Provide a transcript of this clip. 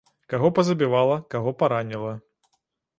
Каго пазабівала, каго параніла.